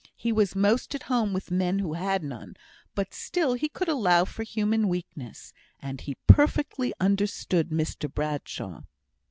He was most at home with men who had none; but still he could allow for human weakness; and he perfectly understood Mr Bradshaw.